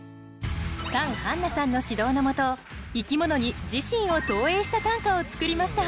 カン・ハンナさんの指導のもと生き物に自身を投影した短歌を作りました